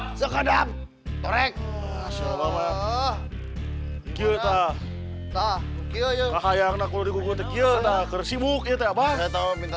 hai sekadar merek mereka kita tak kaya anak lo digugur kecil tak bersibuk itu abang minta